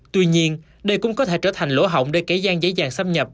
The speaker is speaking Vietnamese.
tuy nhiên đây cũng có thể trở thành lỗ hộng để kể gian dễ dàng xâm nhập